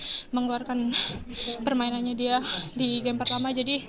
dan juga untuk mengeluarkan permainannya dia di game pertama